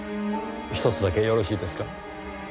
ひとつだけよろしいですか？